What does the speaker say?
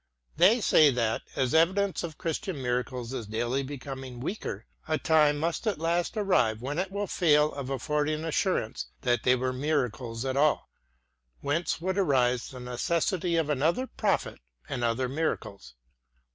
They say that, as evidence of Christian miracles is daily becoming weaker, a time must at last arrive when it will fail of affording assurance that they were miracles at all: whence would arise the necessity of another prophet and other miracles.